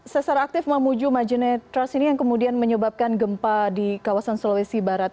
sesar aktif mamuju majene trust ini yang kemudian menyebabkan gempa di kawasan sulawesi barat